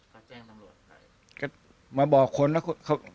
ก็แจ้งตำรวจไปก็มาบอกคนแล้ว